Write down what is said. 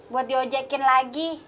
buat diojekin lagi